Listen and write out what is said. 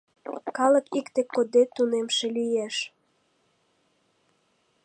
Калык икте кодде тунемше лиеш.